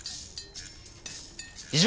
以上！